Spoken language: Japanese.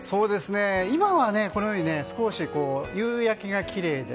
今はね、このように少し夕焼けがきれいで。